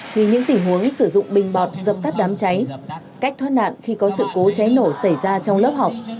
thì những tình huống sử dụng bình bọt dập tắt đám cháy cách thoát nạn khi có sự cố cháy nổ xảy ra trong lớp học